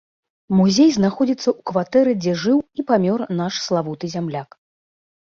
Музей знаходзіцца ў кватэры дзе жыў і памёр наш славуты зямляк.